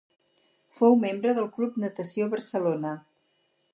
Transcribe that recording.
Fou membre del Club Natació Barcelona.